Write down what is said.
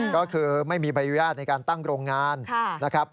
ก็คือไม่มีใบอนุญาตในการตั้งโรงงานนะครับ